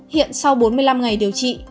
hiện sau bốn mươi năm ngày điều trị